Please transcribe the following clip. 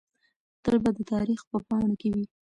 تل به د تاریخ په پاڼو کې وي.